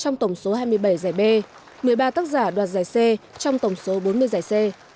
trong tổng số một mươi bốn giải a chín tác giả đoạt giải b trong tổng số ba mươi giải c một mươi ba tác giả đoạt giải b trong tổng số ba mươi giải c